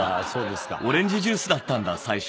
オレンジジュースだったんだ最初。